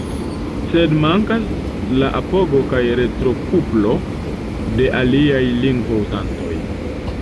Sed mankas la apogo kaj retrokuplo de aliaj lingvo-uzantoj.